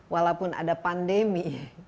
walaupun ada pandemi